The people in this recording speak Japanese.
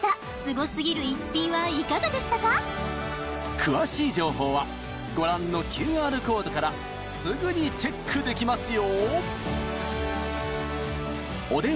詳しい情報はご覧のＱＲコードからすぐにチェックできますよ